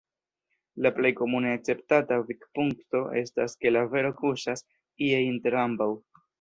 La plej komune akceptata vidpunkto estas ke la vero kuŝas ie inter ambaŭ.